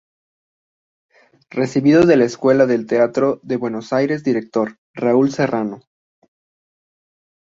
Recibido de la Escuela de Teatro de Buenos Aires Director: Raúl Serrano.